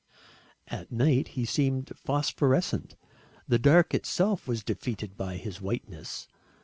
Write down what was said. At night he seemed phosphorescent, the dark itself was defeated by his whiteness.